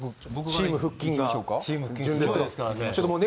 チーム腹筋すごいですからね。